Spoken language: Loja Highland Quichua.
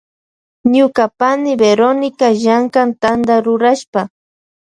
Ñuka pani Verónica llankan Tanta rurashpa.